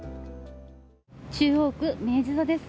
中央区・明治座です。